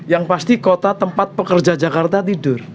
yang pasti kota tempat pekerja jakarta tidur